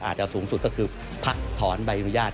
อาจจะสูงสุดก็คือพักถอนใบอนุญาต